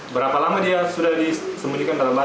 berapa lama dia sudah disembunyikan dalam batu